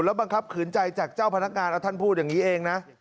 บังคับขืนใจจากเจ้าพนักงานแล้วท่านพูดอย่างนี้เองนะ